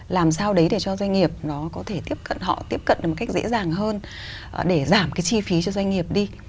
làm sao đấy để cho doanh nghiệp nó có thể tiếp cận họ tiếp cận được một cách dễ dàng hơn để giảm cái chi phí cho doanh nghiệp đi